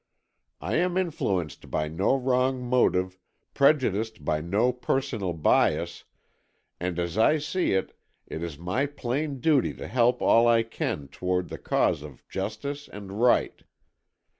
I am influenced by no wrong motive, prejudiced by no personal bias, and as I see it, it is my plain duty to help all I can toward the cause of justice and right.